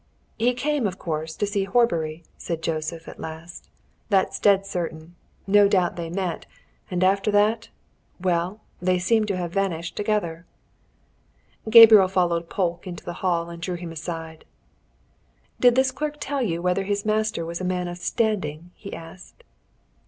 "He came, of course, to see Horbury," said Joseph at last. "That's dead certain. No doubt they met. And after that well, they seem to have vanished together." Gabriel followed Polke into the hall and drew him aside. "Did this clerk tell you whether his master was a man of standing?" he asked.